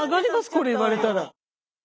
これ言われたら。